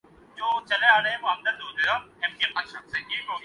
ان کو اپنا بنا کے دیکھ لیا